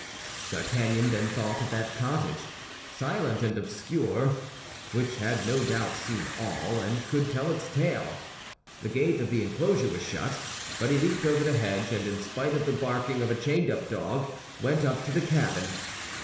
D'Artagnan then thought of that cottage, silent and obscure, which had no doubt seen all, and could tell its tale. The gate of the enclosure was shut; but he leaped over the hedge, and in spite of the barking of a chained up dog, went up to the cabin.